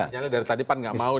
sejarnya dari tadi pan nggak mau nih